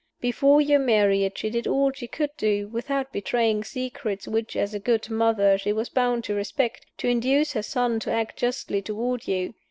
Before your marriage she did all she could do without betraying secrets which, as a good mother, she was bound to respect to induce her son to act justly toward you.